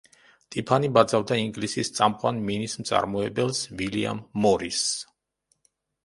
ტიფანი ბაძავდა ინგლისის წამყვან მინის მწარმოებელს ვილიამ მორისს.